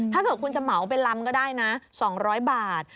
ถ้าเกิดคุณจะเหมาเป็นลำก็ได้นะ๒๐๐บาท